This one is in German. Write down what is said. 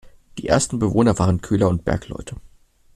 Die ersten Bewohner waren Köhler und Bergleute.